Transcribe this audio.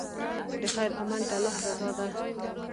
د خیر عمل د الله رضا ده.